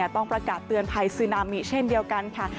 ต้องประกาศเตือนภัยซึนามิเช่นเดียวกันค่ะ